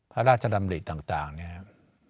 พระราชดำริต่างเนี่ยครับ